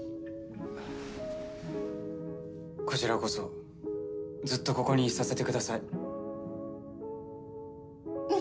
こちらこそずっとここにいさせて下さい。